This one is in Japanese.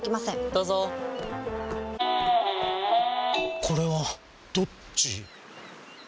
どうぞこれはどっち？